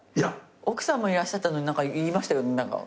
奥さんもいらっしゃったのに言いましたよね何か。